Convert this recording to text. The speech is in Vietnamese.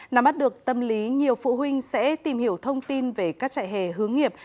nằm mắt được tâm lý nhiều phụ huynh sẽ tìm hiểu thông tin về các trại hè hướng nghiệp